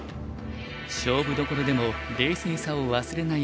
勝負どころでも冷静さを忘れない